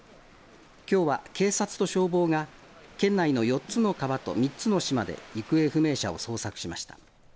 きょうは警察と消防が県内の４つの川と３つの島で行方不明者を捜索しました。